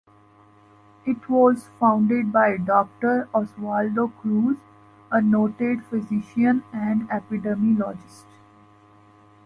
It was founded by Doctor Oswaldo Cruz, a noted physician and epidemiologist.